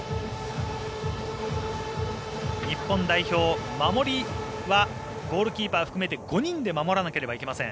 日本代表、守りはゴールキーパー含めて５人守らなければなりません。